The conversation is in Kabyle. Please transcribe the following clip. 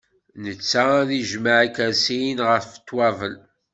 Netta ad ijmeɛ ikersiyen, ɣef ṭwabel.